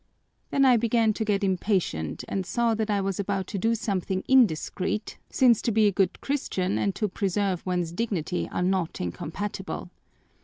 Then I began to get impatient and saw that I was about to do something indiscreet, since to be a good Christian and to preserve one's dignity are not incompatible.